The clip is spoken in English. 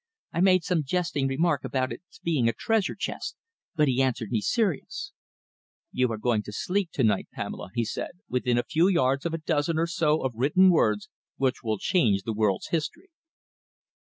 I made some jesting remark about its being a treasure chest, but he answered me seriously. 'You are going to sleep to night, Pamela,' he said, 'within a few yards of a dozen or so of written words which will change the world's history.'"